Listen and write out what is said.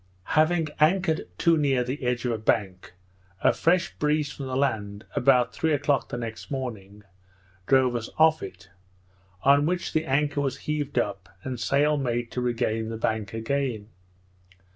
Having anchored too near the edge of a bank, a fresh breeze from the land, about three o'clock the next morning, drove us off it; on which the anchor was heaved up, and sail made to regain the bank again.